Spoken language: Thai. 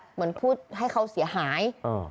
เหมือนพูดให้เขาเสียหาย